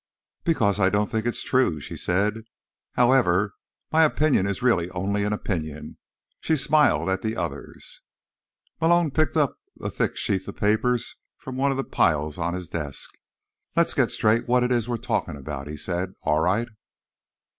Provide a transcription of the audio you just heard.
"Because I don't think it's true," she said. "However, my opinion is really only an opinion." She smiled around at the others. Malone picked up a thick sheaf of papers from one of the piles of his desk. "Let's get straight what it is we're talking about," he said. "All right?"